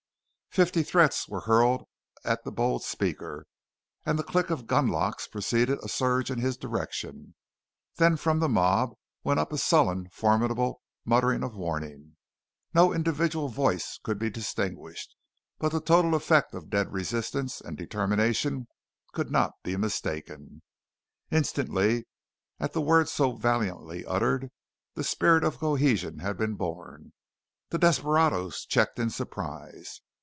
Fifty threats were hurled at the bold speaker, and the click of gunlocks preceded a surge in his direction. Then from the mob went up a sullen, formidable muttering of warning. No individual voice could be distinguished; but the total effect of dead resistance and determination could not be mistaken. Instantly, at the words so valiantly uttered, the spirit of cohesion had been born. The desperadoes checked in surprise.